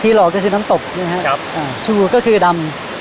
ทีหลอกก็คือน้ำตกนะครับอ่าอ่าชูก็คือดำ